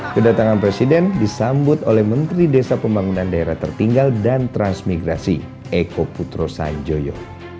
kedatangan presiden disambut oleh menteri desa pembangunan daerah tertinggal dan transmigrasi eko putro sanjoyo